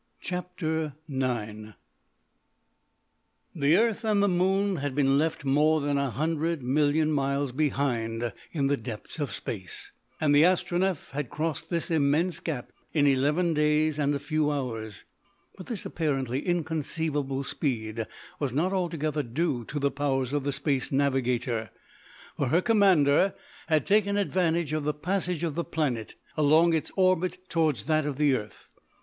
CHAPTER IX The earth and the moon had been left more than a hundred million miles behind in the depths of Space, and the Astronef had crossed this immense gap in eleven days and a few hours; but this apparently inconceivable speed was not altogether due to the powers of the Space Navigator, for her commander had taken advantage of the passage of the planet along its orbit towards that of the earth.